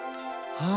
ああ！